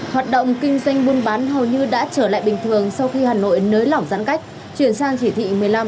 hoạt động kinh doanh buôn bán hầu như đã trở lại bình thường sau khi hà nội nới lỏng giãn cách chuyển sang chỉ thị một mươi năm